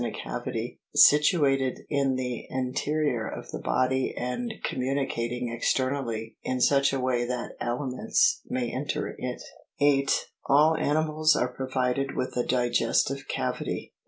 a cavity situ ated in the interior of the body and communicating externally in such a way that aliments may enter it. 8. All animals are provided with a digestive cavity.